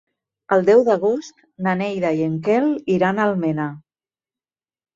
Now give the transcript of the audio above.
El deu d'agost na Neida i en Quel iran a Almenar.